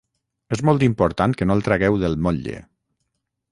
És molt important que no el tragueu del motlle